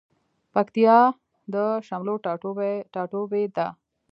پکتيا د شملو ټاټوبی ده